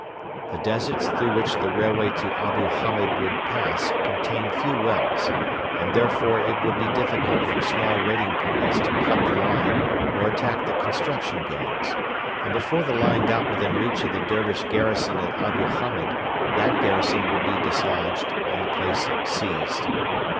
The deserts through which the railway to Abu Hamed would pass contain few wells, and therefore it would be difficult for small raiding parties to cut the line or attack the construction gangs; and before the line got within reach of the Dervish garrison at Abu Hamed, that garrison would be dislodged and the place seized.